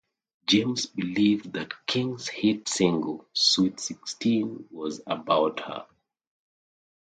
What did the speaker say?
James believed that King's hit single "Sweet Sixteen" was about her.